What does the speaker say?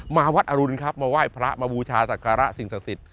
มาวัดอรุณครับมาไหว้พระมาบูชาศักระสิ่งศักดิ์สิทธิ